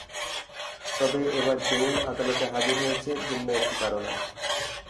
তবে এবার জেইন আদালতে হাজির হয়েছে ভিন্ন একটি কারণে।